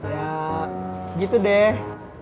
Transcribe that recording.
ya gitu deh